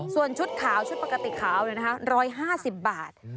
ส่วนชุดขาวชุดปกติขาว๑๕๐บาท